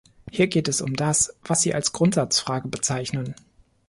Hier geht es um das, was Sie als Grundsatzfrage bezeichnen.